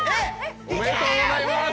おめでとうございます！